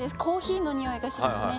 コーヒーのにおいがします